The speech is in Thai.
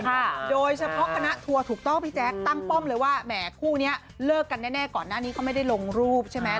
โดยเฉพาะคณะทัวร์ถูกต้องพี่แจ๊คตั้งป้อมเลยว่าแหมคู่เนี้ยเลิกกันแน่แน่ก่อนหน้านี้เขาไม่ได้ลงรูปใช่ไหม